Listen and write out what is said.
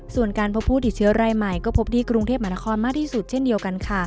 ส่วนการพบผู้ติดเชื้อรายใหม่ก็พบที่กรุงเทพมหานครมากที่สุดเช่นเดียวกันค่ะ